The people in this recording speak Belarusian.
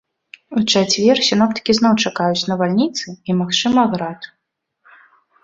У чацвер сіноптыкі зноў чакаюць навальніцы і, магчыма, град.